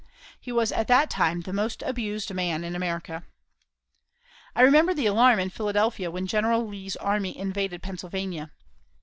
He was at that time the most abused man in America. I remember the alarm in Philadelphia when General Lee's army invaded Pennsylvania.